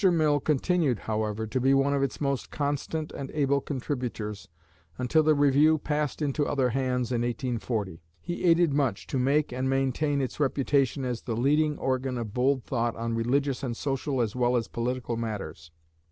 Mill continued, however, to be one of its most constant and able contributors until the Review passed into other hands in 1840. He aided much to make and maintain its reputation as the leading organ of bold thought on religious and social as well as political matters.